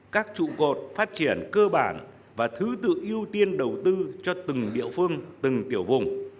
các trụ cột phát triển cơ bản và thứ tự ưu tiên đầu tư cho từng địa phương từng tiểu vùng